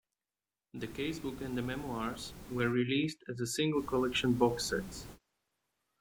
"The Casebook and The Memoirs" were released as a single collection box sets.